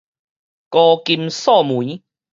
高金素梅